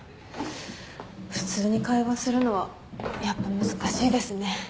普通に会話するのはやっぱ難しいですね。